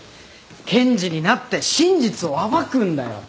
検事になって真実を暴くんだよ。